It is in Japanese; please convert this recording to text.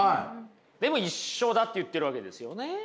でも「一緒だ」って言ってるわけですよね。